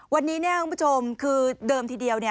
วันนี้คุณผู้ชมคือเดิมทีเดียว